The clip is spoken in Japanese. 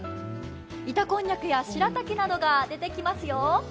板こんにゃくやしらたきなどが出てきますよ。